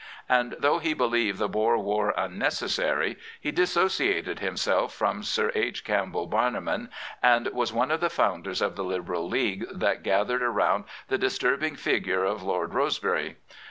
And, though he believed the Boer War unnecessary, he dissociated himself from Sir H. Campbell Bannerman and was one of the founders of the Liberal League that gathered around the disturbing figure of Lord Rose bery.